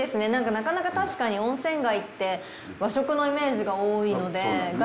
なかなか確かに温泉街って和食のイメージが多いので。